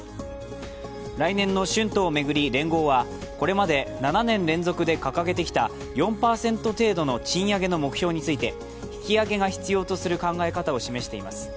来年の春闘を巡り連合はこれまで７年連続で掲げてきた４％程度の賃上げの目標について、引き上げが必要とする考え方を示しています。